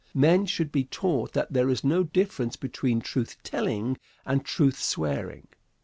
Men should be taught that there is no difference between truth telling and truth swearing.